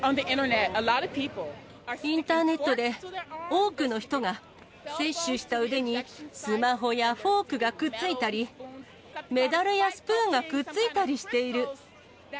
インターネットで多くの人が、接種した腕にスマホやフォークがくっついたり、メダルやスプーンがくっついたりしている。